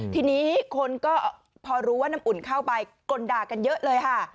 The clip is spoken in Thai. ทีนี้คนก็พอรู้ว่าน้ำอุ่นเข้าไปกลด่ากันเยอะเลยค่ะ